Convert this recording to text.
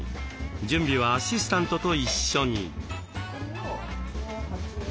準備はアシスタントと一緒に。